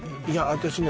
私ね